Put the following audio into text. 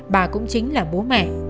bà cũng chính là bố mẹ